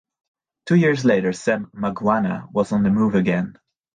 Two years later, Sam Mangwana was on the move again.